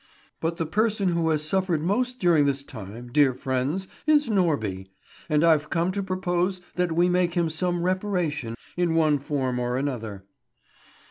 "But the person who has suffered most during this time, dear friends, is Norby; and I've come to propose that we make him some reparation in one form or another."